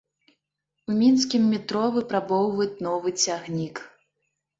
У мінскім метро выпрабоўваюць новы цягнік.